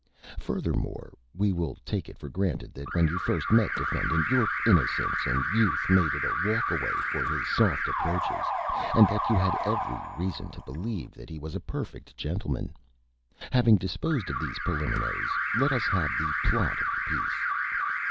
"Furthermore, we will take it for granted that when you first met Defendant your Innocence and Youth made it a Walkaway for his Soft Approaches, and that you had every Reason to believe that he was a Perfect Gentleman. Having disposed of these Preliminaries, let us have the Plot of the Piece."